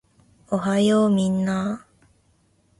おはようみんなー